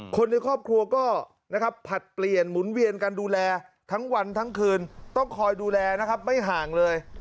คนในครอบครัวก็นะครับผลัดเปลี่ยนหมุนเวียนกันดูแลทั้งวันทั้งคืนต้องคอยดูแลนะครับไม่ห่างเลย